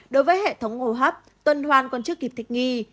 đối với hệ thống ngồ hấp tuần hoan còn chưa kịp thích nghi